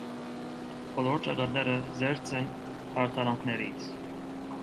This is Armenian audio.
Բոլոր ճակատները զերծ են հարդարանքներից։